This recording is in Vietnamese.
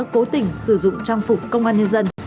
cố tình sử dụng trang phục công an nhân dân